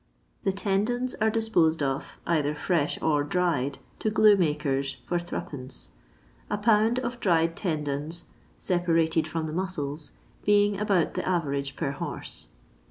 The tendons are disposed of, either fresh or dried, to glue makers for 8<2. — a ponud of dried tendons (separated from the muiscles) being about the average per horse.